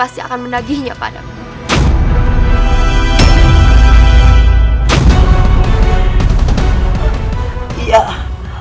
sekali lagi terima kasih